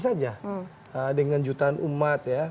saja dengan jutaan umat